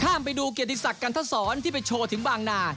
ไปดูเกียรติศักดิ์กันทศรที่ไปโชว์ถึงบางนา